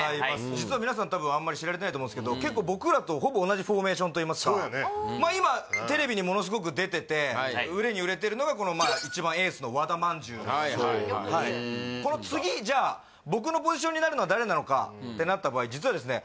実は皆さん多分あんまり知られてないと思うんすけど結構といいますかそうやね今テレビにものすごく出てて売れに売れてるのが一番エースの和田まんじゅうそうねこの次じゃあ僕のポジションになるのは誰なのかってなった場合実はですね